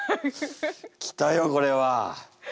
来たよこれは。